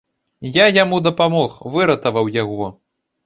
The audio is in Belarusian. Я яму дапамог, выратаваў яго!